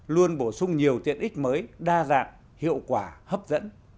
luôn bổ sung nhiều tiện ích mới đa dạng hiệu quả hấp dẫn